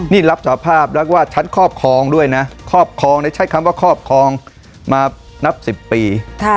นี่รับสภาพแล้วก็ชั้นครอบครองด้วยนะครอบครองใช้คำว่าครอบครองมานับ๑๐ปี